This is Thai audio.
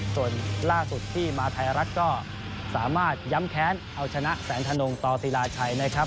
ส่วนล่าสุดที่มาไทยรัฐก็สามารถย้ำแค้นเอาชนะแสนธนงต่อศิลาชัยนะครับ